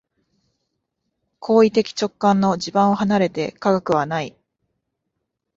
行為的直観の地盤を離れて科学はない。